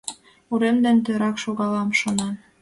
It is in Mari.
Урем ден тӧрак шогалам, шона.